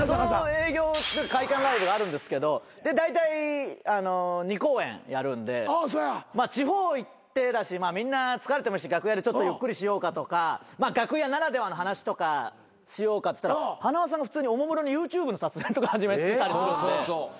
営業会館ライブがあるんですけどでだいたい２公演やるんで地方行ってだしみんな疲れてもいるし楽屋でちょっとゆっくりしようかとか楽屋ならではの話とかしようかっつったら塙さんが普通におもむろにＹｏｕＴｕｂｅの撮影とか始めたりするんで。